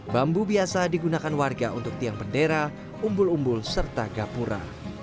bambu biasa digunakan warga untuk tiang bendera umbul umbul serta gapura